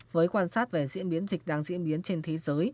với quan sát về diễn biến dịch đang diễn biến trên thế giới